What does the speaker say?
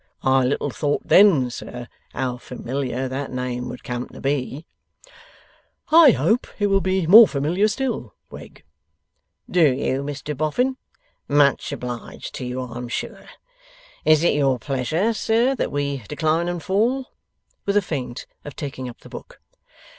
I little thought then, sir, how familiar that name would come to be!' 'I hope it will be more familiar still, Wegg.' 'Do you, Mr Boffin? Much obliged to you, I'm sure. Is it your pleasure, sir, that we decline and we fall?' with a feint of taking up the book.